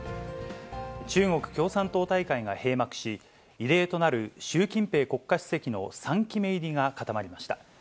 中国共産党大会が閉幕し、異例となる習近平国家主席の３期目入りが固まりました。